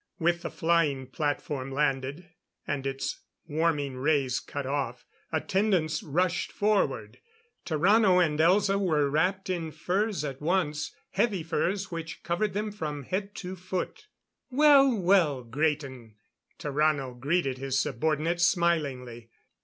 With the flying platform landed, and its warming rays cut off, attendants rushed forward. Tarrano and Elza were wrapped in furs at once heavy furs which covered them from head to foot. "Well! Well, Graten!" Tarrano greeted his subordinate smilingly.